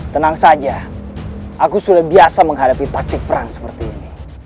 tenang saja aku sudah biasa menghadapi taktik perang seperti ini